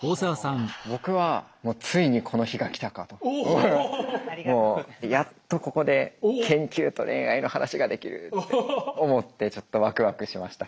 僕はもうもうやっとここで研究と恋愛の話ができるって思ってちょっとワワワクしました。